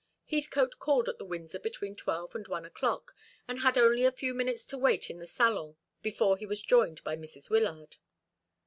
Heathcote called at the Windsor between twelve and one o'clock, and had only a few minutes to wait in the salon before he was joined by Mrs. Wyllard.